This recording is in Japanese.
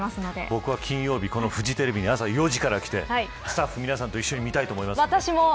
僕は金曜日フジテレビに朝４時から来てスタッフの皆さんと一緒に見たいと思います。